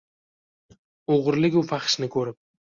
O’g’riligu fahshni ko’rib